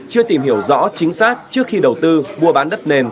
chưa tìm hiểu rõ chính xác trước khi đầu tư mua bán đất nền